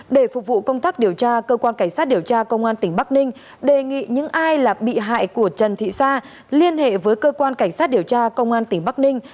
để phục vụ công tác điều tra cơ quan cảnh sát điều tra công an tỉnh bắc ninh đề nghị những ai là bị hại của trần thị sa liên hệ với cơ quan cảnh sát điều tra công an tỉnh bắc ninh